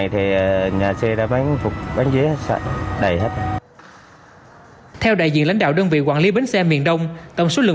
thì nhà xe đã bán vé đầy hết theo đại diện lãnh đạo đơn vị quản lý bến xe miền đông tổng số lượng